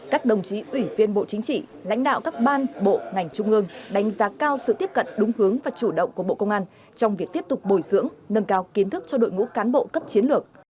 các đồng chí ủy viên bộ chính trị lãnh đạo các ban bộ ngành trung ương đánh giá cao sự tiếp cận đúng hướng và chủ động của bộ công an trong việc tiếp tục bồi dưỡng nâng cao kiến thức cho đội ngũ cán bộ cấp chiến lược